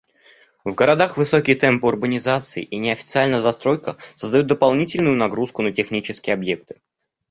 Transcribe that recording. В городах высокие темпы урбанизации и неофициальная застройка создают дополнительную нагрузку на технические объекты.